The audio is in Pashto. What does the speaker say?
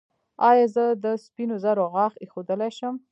ایا زه د سپینو زرو غاښ ایښودلی شم؟